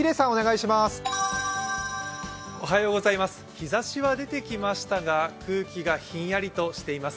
日ざしは出てきましたが空気がひんやりしています。